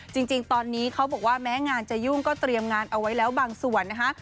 จริงตอนนี้เขาบอกว่าแม้งานจะยุ่งก็เตรียมงานเอาไว้แล้วบางส่วนนะคะ